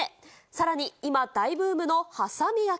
さらに今、大ブームの波佐見焼。